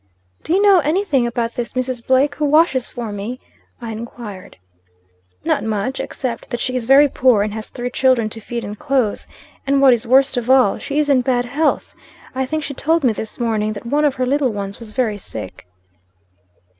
"'Do you know anything about this Mrs. Blake, who washes for me?' I enquired. "'Not much; except that she is very poor, and has three children to feed and clothe. And what is worst of all, she is in bad health. I think she told me this morning, that one of her little ones was very sick.'